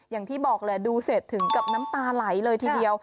อย่างที่บอกแหละดูเสร็จถึงกับน้ำตาไหลเลยทีเดียว